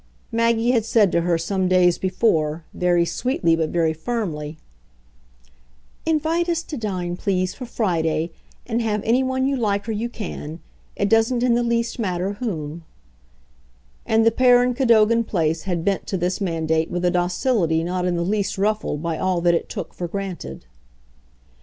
Maggie had said to her some days before, very sweetly but very firmly, "Invite us to dine, please, for Friday, and have any one you like or you can it doesn't in the least matter whom;" and the pair in Cadogan Place had bent to this mandate with a docility not in the least ruffled by all that it took for granted.